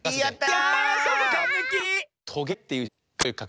やった！